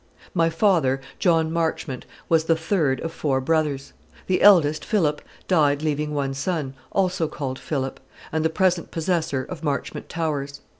"My father, John Marchmont, was the third of four brothers. The eldest, Philip, died leaving one son, also called Philip, and the present possessor of Marchmont Towers.